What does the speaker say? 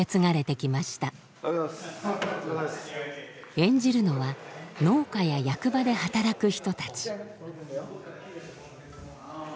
演じるのは農家や役場で働く人たち。